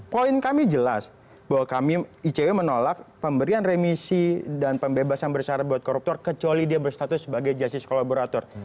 poin kami jelas bahwa kami icw menolak pemberian remisi dan pembebasan bersyarat buat koruptor kecuali dia berstatus sebagai justice kolaborator